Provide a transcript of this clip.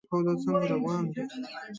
هو، دا څنګه روان دی؟